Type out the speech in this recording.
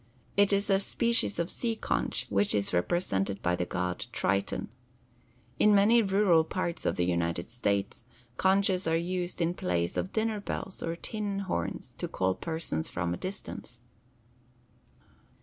It is a species of sea conch which is represented by the god Triton. In many rural parts of the United States conches are used in place of dinner bells or tin horns to call persons from a distance.